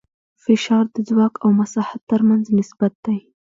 فشار د ځواک او مساحت تر منځ نسبت دی.